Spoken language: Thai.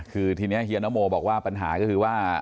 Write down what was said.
คือทีนี้เฮียนโมบอกว่าปัญหาก็คือว่า